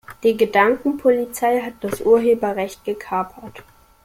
Die Gedankenpolizei hat das Urheberrecht gekapert.